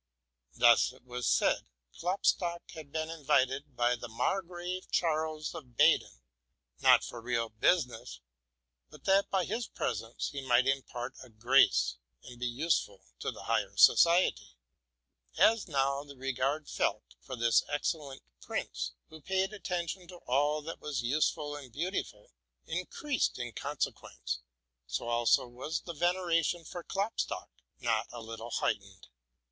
Thus, it was said, Klopstock had been invited by the Margrave Charles of Baden, not for real business, but that by his presence he might impart a grace and be useful to the higher society. As now the. regard felt for this excellent prince, who paid attention to all that was useful and beautiful, increased in consequence ; so also was the veneration for Klopstock not a little height ened.